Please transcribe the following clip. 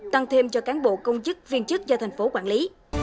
tăng thêm cho cán bộ công chức viên chức do tp hcm quản lý